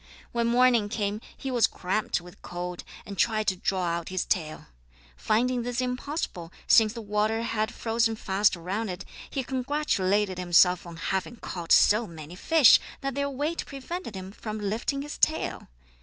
When morning came he was cramped with cold, and tried to draw out his tail. Finding this impossible, since the water had frozen fast around it, he congratulated himself on having caught so many fish that their weight prevented him from lifting his tail.